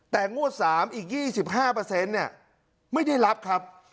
แต่งวด๓อีก๒๕ไม่ได้รับครับ